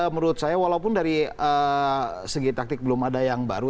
menurut saya walaupun dari segi taktik belum ada yang baru